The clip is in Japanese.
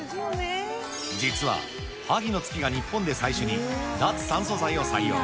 実は萩の月が日本で最初に脱酸素剤を採用。